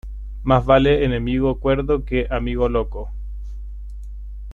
Más vale enemigo cuerdo que amigo loco.